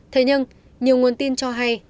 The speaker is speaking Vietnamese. thế nhưng nhiều nguồn tin cho hay